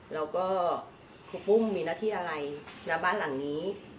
แล้วก็ครูปุ้มมีหน้าที่อะไรณบ้านหลังนี้